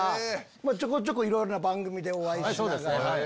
ちょこちょこいろいろな番組でお会いしてますが。